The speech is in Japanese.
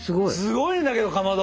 すごいんだけどかまど。